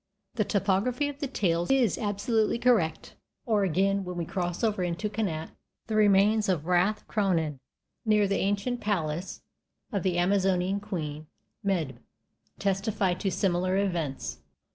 The topography of the tales is absolutely correct. Or again, when we cross over into Connacht, the remains at Rath Croghan, near the ancient palace of the Amazonian queen, Medb, testify to similar events.